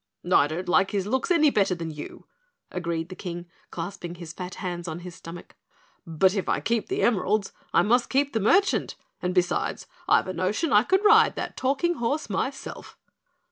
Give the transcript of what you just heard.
"I don't like his looks any better than you," agreed the King, clasping his fat hands on his stomach. "But if I keep the emeralds I must keep the merchant, and besides I've a notion I could ride that talking horse myself."